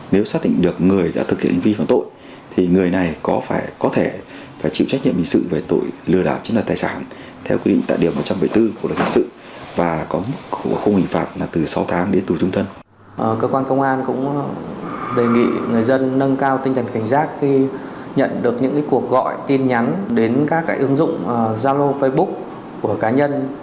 nâng cao tinh thần cảnh giác khi nhận được những cuộc gọi tin nhắn đến các ứng dụng giao lô facebook của cá nhân